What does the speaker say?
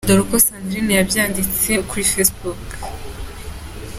Dore uko Sandrine yabyanditse kuri facebook.